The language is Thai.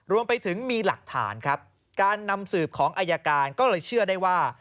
รวมไปถึงมีหลักฐานครับการนำสืบของอายการก็เลยเชื่อได้ว่า